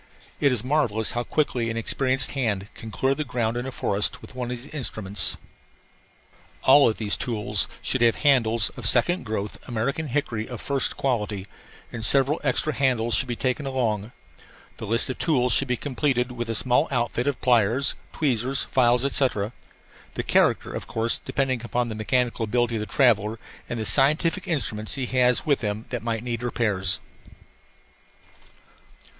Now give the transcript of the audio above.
It is marvellous how quickly an experienced hand can clear the ground in a forest with one of these instruments. All of these tools should have handles of second growth American hickory of first quality; and several extra handles should be taken along. The list of tools should be completed with a small outfit of pliers, tweezers, files, etc. the character, of course, depending upon the mechanical ability of the traveller and the scientific instruments he has with him that might need repairs.